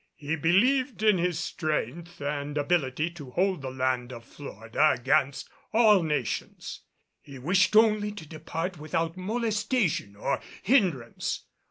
He believed in his strength and ability to hold the land of Florida against all nations; he wished only to depart without molestation or hindrance.